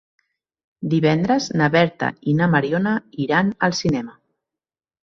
Divendres na Berta i na Mariona iran al cinema.